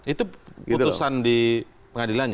itu utusan di pengadilannya